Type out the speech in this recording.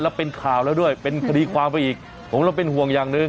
แล้วเป็นข่าวแล้วด้วยเป็นคดีความไปอีกผมเราเป็นห่วงอย่างหนึ่ง